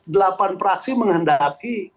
delapan praksi menghendaki